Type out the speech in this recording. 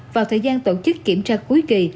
vào thời gian tổ chức kiểm tra cuối kỳ